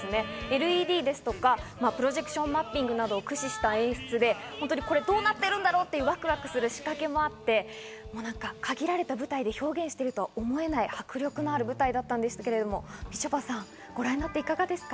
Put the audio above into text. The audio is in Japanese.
ＬＥＤですとかプロジェクションマッピングなどを駆使した演出で、どうなってるんだろうっていうワクワクする仕掛けもあって、限られた舞台で表現しているとは思えない迫力のある舞台だったんですけど、みちょぱさん、いかがですか？